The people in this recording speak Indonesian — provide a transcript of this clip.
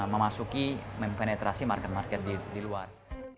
memasuki mempenetrasi market market di luar